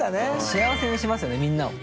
幸せにしますよねみんなを。